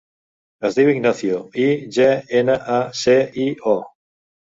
Es diu Ignacio: i, ge, ena, a, ce, i, o.